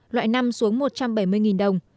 loại năm xuống một trăm bảy mươi đồng